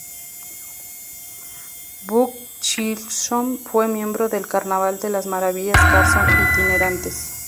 Buck Chisholm fue miembro del Carnaval de las Maravillas Carson itinerantes.